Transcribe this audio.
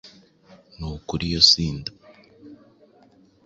Nukuri iyo si nda